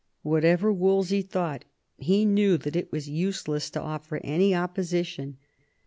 Whatever Wolsey thought, he knew that it was useless to offer any opposi tion.